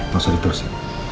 masuk di turun